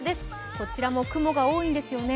こちらも雲が多いんですよね。